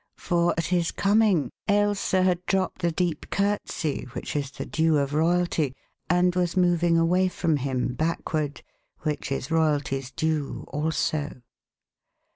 For at his coming, Ailsa had dropped the deep curtsey which is the due of royalty, and was moving away from him backward, which is royalty's due also.